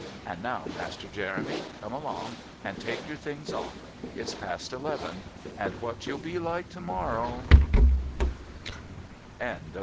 "And now, Master Jeremy, come along and take your things off. It's past eleven, and what you'll be like to morrow " CHAPTER IV.